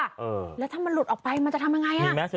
ตัวแล้วถ้ามันหลุดออกไปมันจะทำยังไงอ่ะมีแม็กซ์